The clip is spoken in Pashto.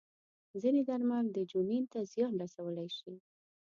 ځینې درمل د جنین ته زیان رسولی شي.